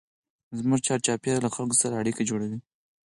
دا زموږ چارچاپېره له خلکو سره اړیکې جوړوي.